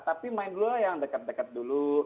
tapi main dulu yang dekat dekat dulu